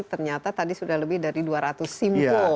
ternyata tadi sudah lebih dari dua ratus simpul